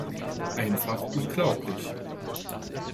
Einfach unglaublich!